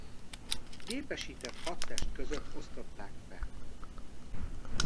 Gépesített Hadtest között osztották fel.